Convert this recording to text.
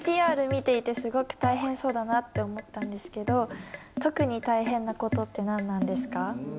ＶＴＲ見ていてすごく大変そうだなって思ったんですけど特に大変な事ってなんなんですか？